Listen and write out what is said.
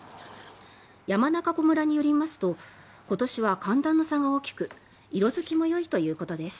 山中湖村によりますと今年は寒暖の差が大きく色付きもよいということです。